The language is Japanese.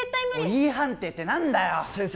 Ｅ判定って何だよっ先生